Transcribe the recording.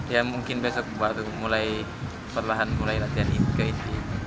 ya mungkin besok baru mulai perlahan mulai latihan inti ke itu